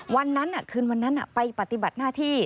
วันนั้นคืนวันนั้นไปปฏิบัติหน้าที่